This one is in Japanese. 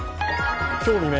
今日未明